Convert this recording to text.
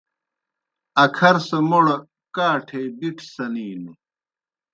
اکھر سہ موْڑ کاٹھے بِٹھیْ سنِینوْ۔